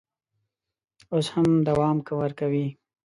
اوس هم دوام ورکوي.